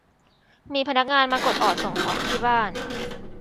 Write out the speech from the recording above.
มีพนักงานมากดออดส่งของที่บ้าน